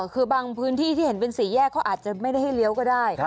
คือบางพื้นที่ที่เห็นเป็นสี่แยกเขาอาจจะไม่ได้ให้เลี้ยวก็ได้